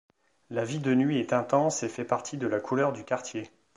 La vie de nuit est intense et fait partie de la couleur du quartier.